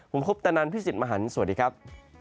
ผมคุปตะนันพี่สิทธิ์มหันฯสวัสดีครับ